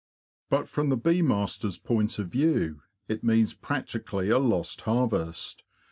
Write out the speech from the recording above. But from the bee master's point of view it means practically a lost harvest.